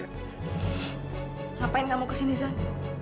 ngapain kamu kesini zan